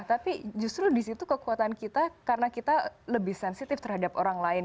tapi justru disitu kekuatan kita karena kita lebih sensitif terhadap orang lain